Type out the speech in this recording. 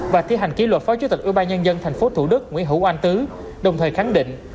và thi hành ký luật phó chủ tịch ủy ban nhân dân tp hcm nguyễn hữu anh tứ đồng thời khẳng định